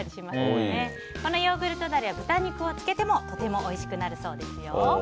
このヨーグルトダレは豚肉を漬けてもとてもおいしくなるそうですよ。